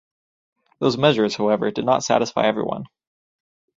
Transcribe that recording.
Those measures, however, did not satisfy everyone.